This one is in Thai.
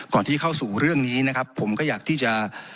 ที่เข้าสู่เรื่องนี้นะครับผมก็อยากที่จะ